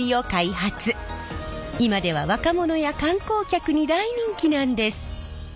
今では若者や観光客に大人気なんです！